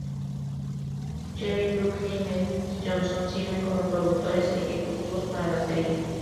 Jerry Bruckheimer y Johnson sirven como productores ejecutivos para la serie.